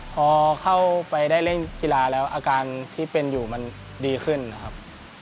พอเข้าไปได้เล่นกีฬาแล้วอาการที่เป็นอยู่มันดีขึ้นนะครับ